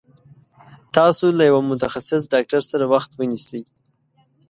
تاسو له يوه متخصص ډاکټر سره وخت ونيسي